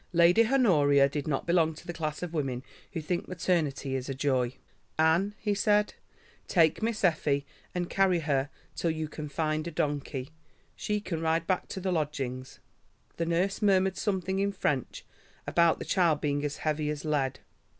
Lady Honoria did not belong to that class of women who think maternity is a joy. "Anne," he said, "take Miss Effie and carry her till you can find a donkey. She can ride back to the lodgings." The nurse murmured something in French about the child being as heavy as lead.